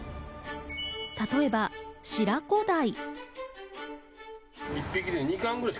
例えばシラコダイ。